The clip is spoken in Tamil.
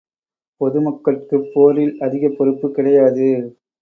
பொதுமக்கட்குப் போரில் அதிகப் பொறுப்பு கிடையாது.